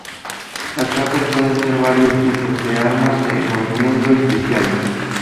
Las cartas pueden ser de varios tipos: de armas, de movimiento, especiales...